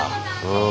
うん。